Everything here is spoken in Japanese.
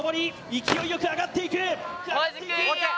勢いよく上がっていく。